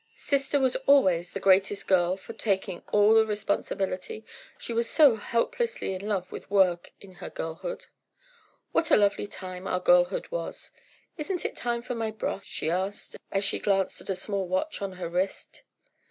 "Sister was always the greatest girl for taking all the responsibility, she was so hopelessly in love with work in her girlhood! What a lovely time our girlhood was! Isn't it time for my broth?" she asked, as she glanced at a small watch on her wrist.